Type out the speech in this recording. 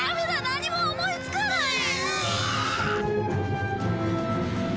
何も思いつかない！